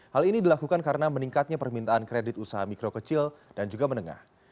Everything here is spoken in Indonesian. hal ini dilakukan karena meningkatnya permintaan kredit usaha mikro kecil dan juga menengah